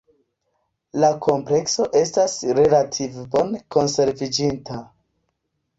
La komplekso estas relative bone konserviĝinta.